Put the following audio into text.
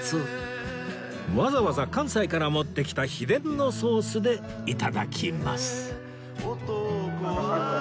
わざわざ関西から持ってきた秘伝のソースで頂きます